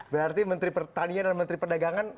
berarti menteri pertanian dan menteri perdagangan